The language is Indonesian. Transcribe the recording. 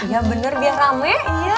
ya bener dia rame